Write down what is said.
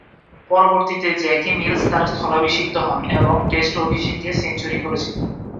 পরবর্তীতে Jackie Mills তার স্থলাভিষিক্ত হন এবং টেস্ট অভিষেকে সেঞ্চুরি করেছিলেন।